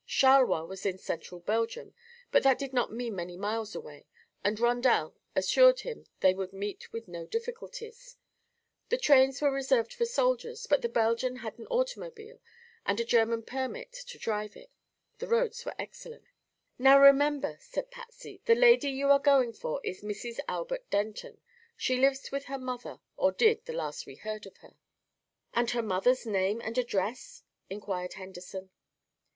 Charleroi was in central Belgium, but that did not mean many miles away and Rondel assured him they would meet with no difficulties. The trains were reserved for soldiers, but the Belgian had an automobile and a German permit to drive it. The roads were excellent. "Now, remember," said Patsy, "the lady you are going for is Mrs. Albert Denton. She lives with her mother, or did, the last we heard of her." "And her mother's name and address?" inquired Henderson.